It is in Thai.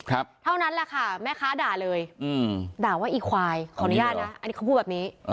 เท่านั้นแหละค่ะแม่ค้าด่าเลยอืมด่าว่าอีควายขออนุญาตนะอันนี้เขาพูดแบบนี้